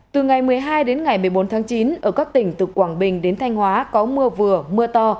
từ ngày một mươi hai đến ngày một mươi bốn tháng chín ở các tỉnh từ quảng bình đến thanh hóa có mưa vừa mưa to